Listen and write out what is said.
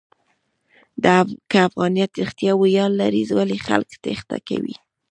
که افغانیت رښتیا ویاړ لري، ولې خلک تېښته کوي؟